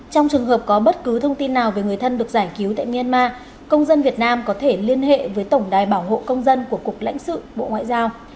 trong trường hợp có bất cứ thông tin nào về người thân được giải cứu tại myanmar công dân việt nam có thể liên hệ với tổng đài bảo hộ công dân của cục lãnh sự bộ ngoại giao